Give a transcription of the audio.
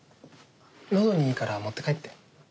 喉にいいから持って帰って。